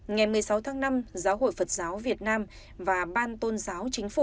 ngày một mươi sáu tháng năm giáo hội phật giáo việt nam và ban tôn giáo